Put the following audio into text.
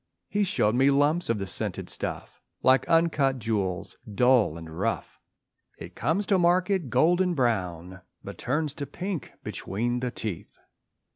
He showed me lumps of the scented stuff Like uncut jewels, dull and rough. It comes to market golden brown; But turns to pink between the teeth.